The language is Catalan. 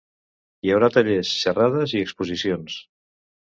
Hi haurà tallers, xerrades i exposicions.